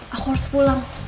aku harus pulang